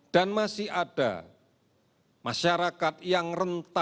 dan masih ada masyarakat yang rentas